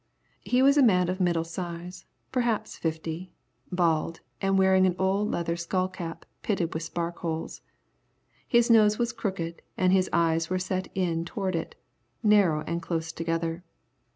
He was a man of middle size, perhaps fifty, bald, and wearing an old leather skull cap pitted with spark holes. His nose was crooked and his eyes were set in toward it, narrow and close together.